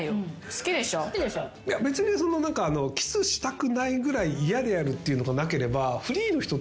別にキスしたくないぐらい嫌であるっていうのがなければ。